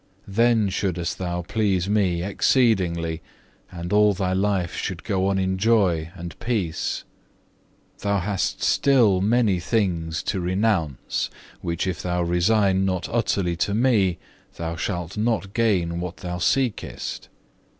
Then shouldest thou please Me exceedingly, and all thy life should go on in joy and peace. Thou hast still many things to renounce, which if thou resign not utterly to Me, thou shalt not gain what thou seekest.